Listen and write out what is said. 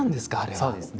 そうですね。